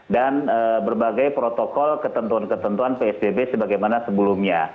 dan berbagai protokol ketentuan ketentuan psbb sebagaimana sebelumnya